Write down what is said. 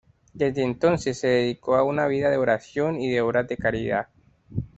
Desde entonces se dedicó a una vida de oración y de obras de caridad.